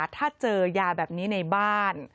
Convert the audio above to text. ถ้าเจอยาแบบนี้ในบ้าน